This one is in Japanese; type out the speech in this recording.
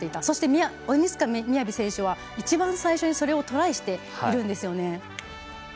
そして、鬼塚雅選手は一番最初にそれをトライしているんですね。